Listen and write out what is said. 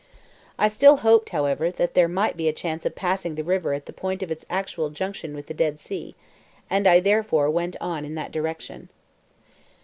I still hoped, however, that there might be a chance of passing the river at the point of its actual junction with the Dead Sea, and I therefore went on in that direction.